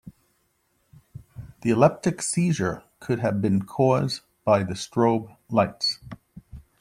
The epileptic seizure could have been cause by the strobe lights.